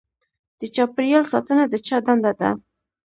د چاپیریال ساتنه د چا دنده ده؟